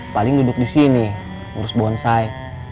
paling duduk disini urus bonsai